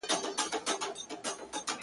هغه مړ له مــسته واره دى لوېـدلى